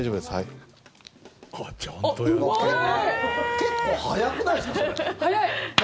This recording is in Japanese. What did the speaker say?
結構速くないですか？